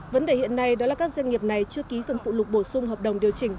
vấn đề hiện nay đó là các doanh nghiệp này chưa ký phần phụ lục bổ sung hợp đồng điều chỉnh